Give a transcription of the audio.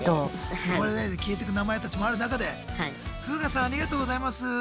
呼ばれないで消えてく名前たちもある中で「フーガさんありがとうございます」。